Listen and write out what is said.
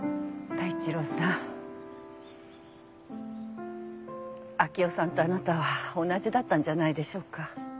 明生さんとあなたは同じだったんじゃないでしょうか。